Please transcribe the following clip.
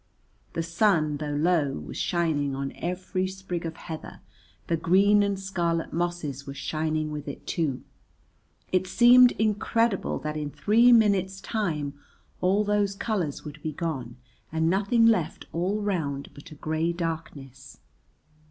The sun, though low, was shining on every sprig of heather, the green and scarlet mosses were shining with it too, it seemed incredible that in three minutes' time all those colours would be gone and nothing left all round but a grey darkness.